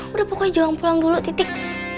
udah pokoknya juang pulang dulu titik